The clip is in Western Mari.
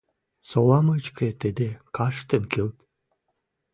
Сола мычкы тӹдӹ каштын килт